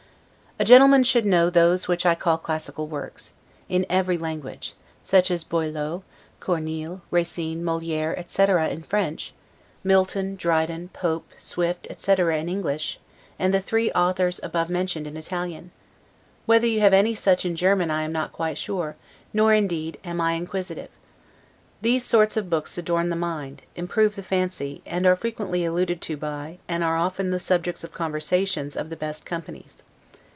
A gentleman should know those which I call classical works, in every language; such as Boileau, Corneille, Racine, Moliere, etc., in French; Milton, Dryden, Pope, Swift, etc., in English; and the three authors above mentioned in Italian; whether you have any such in German I am not quite sure, nor, indeed, am I inquisitive. These sort of books adorn the mind, improve the fancy, are frequently alluded to by, and are often the subjects of conversations of the best companies.